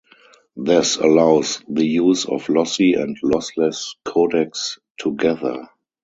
This allows the use of lossy and lossless codecs together.